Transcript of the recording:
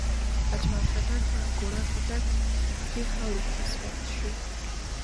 اجمل خټک په اکوړه خټک کې خاورو ته وسپارل شو.